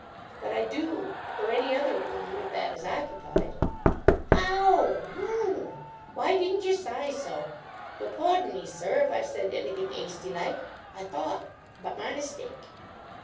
"But I do. Or any other room, if that is occupied." "'Ow! Room? Why didn't yer siy so? You'll pawdon me, sir, if I've said anything 'asty like. I thought—but my mistake."